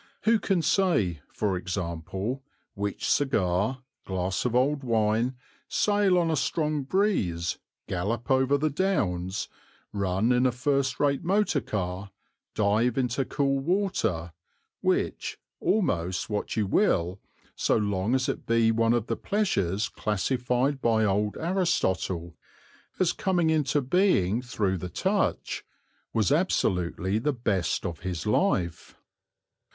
Who can say, for example, which cigar, glass of old wine, sail on a strong breeze, gallop over the Downs, run in a first rate motor car, dive into cool water, which almost what you will, so long as it be one of the pleasures classified by old Aristotle as coming into being through the touch was absolutely the best of his life?